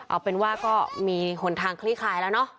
เอาเป็นว่าก็มีหนทางคลี่คลายแล้วเนาะ